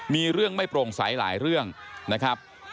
มีเรื่องไม่โปร่งใสหลายเรื่องนะครับ